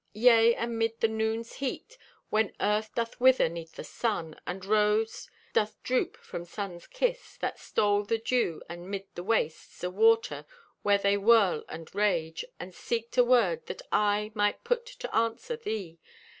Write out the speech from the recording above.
Yea, and 'mid the noon's heat, When Earth doth wither 'neath the sun, And rose doth droop from sun's kiss, That stole the dew; and 'mid the wastes O' water where they whirl and rage, And seeked o' word that I Might put to answer thee.